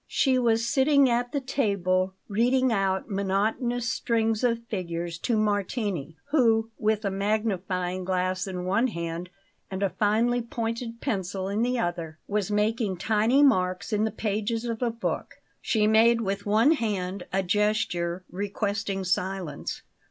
She was sitting at the table, reading out monotonous strings of figures to Martini, who, with a magnifying glass in one hand and a finely pointed pencil in the other, was making tiny marks in the pages of a book. She made with one hand a gesture requesting silence.